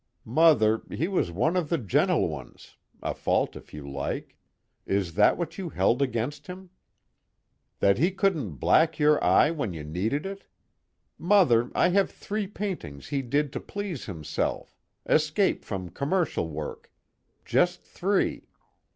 Mother, he was one of the gentle ones a fault if you like is that what you held against him? That he couldn't black your eye when you needed it? Mother, I have three paintings he did to please himself, escape from commercial work. Just three.